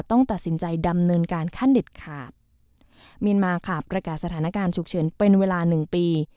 ต้องตัดสินใจดำเนินการขั้นเด็ดขาดเมียนมาค่ะประกาศสถานการณ์ฉุกเฉินเป็นเวลาหนึ่งปี